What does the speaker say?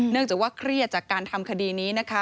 จากว่าเครียดจากการทำคดีนี้นะคะ